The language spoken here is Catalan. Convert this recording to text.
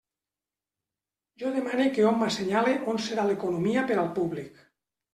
Jo demane que hom m'assenyale on serà l'economia per al públic.